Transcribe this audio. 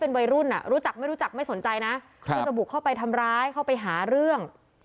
เขาจะบุกเข้าไปทำร้ายเข้าไปหาเรื่อง